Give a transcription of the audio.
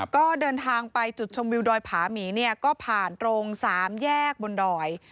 ก็เดินทางไปจุดชมวิวดอยผาหมีเนี่ยก็ผ่านตรง๓แยกบนดอย